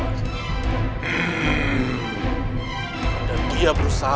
enggak di bawah